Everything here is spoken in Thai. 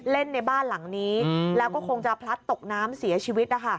ในบ้านหลังนี้แล้วก็คงจะพลัดตกน้ำเสียชีวิตนะคะ